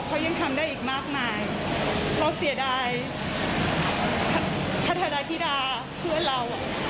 เขายังทำได้อีกมากมายเขาเสียดายพัทธาดายธิดาเพื่อนเรา